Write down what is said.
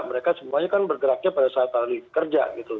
mereka semuanya kan bergeraknya pada saat hari kerja gitu